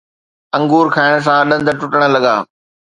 انگور کائڻ سان ڏند ٽٽڻ لڳا